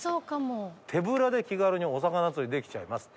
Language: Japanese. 「手ぶらで手軽にお魚釣り出来ちゃいます」